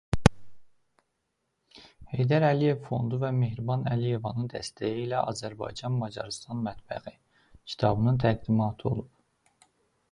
Heydər Əliyev fondu və Mehriban Əliyevanın dəstəyi ilə "Azərbaycan–Macarıstan mətbəxi" kitabının təqdimatı olub.